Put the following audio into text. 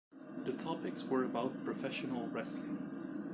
The topics were about professional wrestling.